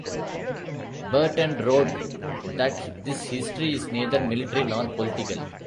Berton wrote that this history is neither military nor political.